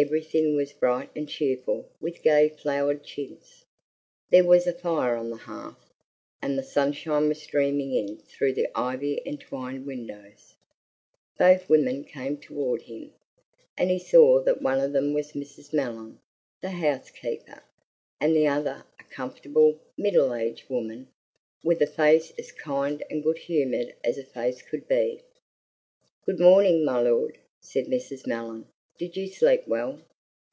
Everything was bright and cheerful with gay flowered chintz. There was a fire on the hearth, and the sunshine was streaming in through the ivy entwined windows. Both women came toward him, and he saw that one of them was Mrs. Mellon, the housekeeper, and the other a comfortable, middle aged woman, with a face as kind and good humored as a face could be. "Good morning, my lord," said Mrs. Mellon. "Did you sleep well?"